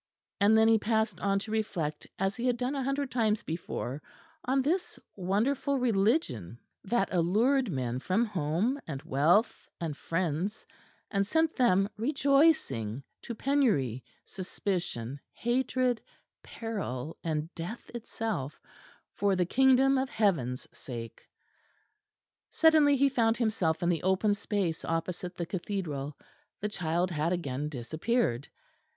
And then he passed on to reflect as he had done a hundred times before on this wonderful Religion that allured men from home and wealth and friends, and sent them rejoicing to penury, suspicion, hatred, peril, and death itself, for the kingdom of heaven's sake. Suddenly he found himself in the open space opposite the Cathedral the child had again disappeared.